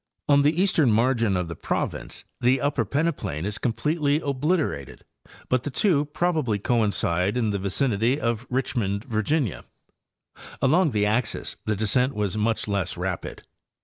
On the eastern margin of the province the upper peneplain is completely oblit erated, but the two probably coincide in the vicinity of Rich mond, Virginia. Along the axes the descent was much less rapid.